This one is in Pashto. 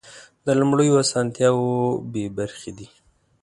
له لومړیو اسانتیاوو بې برخې دي.